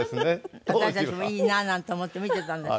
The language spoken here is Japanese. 私たちもいいななんて思って見てたんですけど。